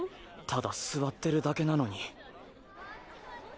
ただ座ってるだけなのに。